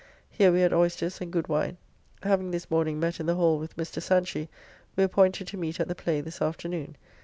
Here we had oysters and good wine. Having this morning met in the Hall with Mr. Sanchy, we appointed to meet at the play this afternoon.